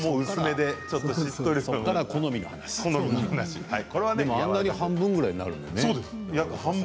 でもあんなに半分ぐらいになるんだね。